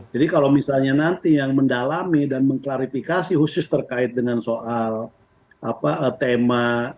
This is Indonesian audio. jadi kalau misalnya nanti yang mendalami dan mengklarifikasi khusus terkait dengan soal tema